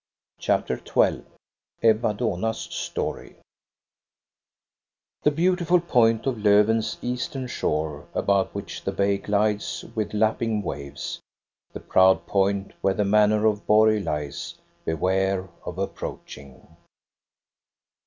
CHAPTER XII EBB A DOHNA'S STORY The beautiful point on Lofven's eastern shore, about which the bay glides with lapping waves, the proud point where the manor of Borg lies, beware of approaching.